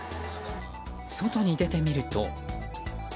外に出てみると。